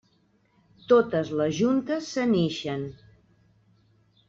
Totes les juntes se n'ixen.